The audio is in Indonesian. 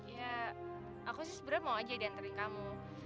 ya aku sih sebenernya mau aja di anterin kamu